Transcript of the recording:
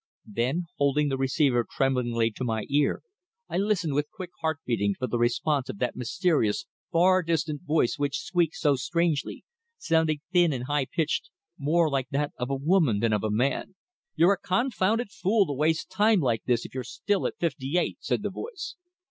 Then, holding the receiver tremblingly to my ear, I listened with quick heart beating for the response of that mysterious, far distant voice which squeaked so strangely, sounding thin and high pitched, more like that of a woman than of a man. "You're a confounded fool to waste time like this if you're still at fifty eight," said the voice.